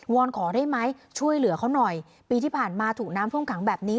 อนขอได้ไหมช่วยเหลือเขาหน่อยปีที่ผ่านมาถูกน้ำท่วมขังแบบนี้